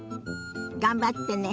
頑張ってね。